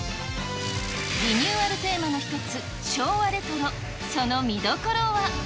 リニューアルテーマの一つ、昭和レトロ、その見どころは。